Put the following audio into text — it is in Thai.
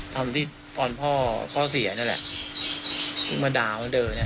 ทำที่พอร์นพ่อพ่อเสียเนี้ยแหละเพิ่งมาด่ามันเดินเนี้ย